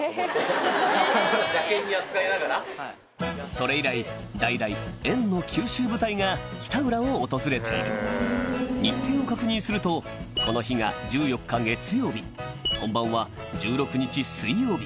それ以来代々縁の九州部隊が北浦を訪れている日程を確認するとこの日が１４日月曜日本番は１６日水曜日